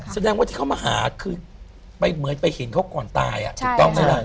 แสดงว่าที่เขามาหาคือไปเหมือนไปเห็นเขาก่อนตายถูกต้องไหมล่ะ